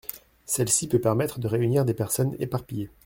Celle-ci peut permettre de réunir des personnes éparpillées.